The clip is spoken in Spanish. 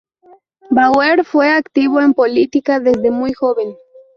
Bauer fue activo en política desde muy joven.